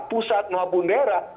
pusat maupun daerah